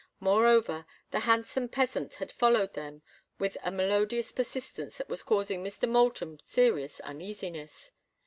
Moreover, the handsome peasant had followed them with a melodious persistence that was causing Mr. Moulton serious uneasiness.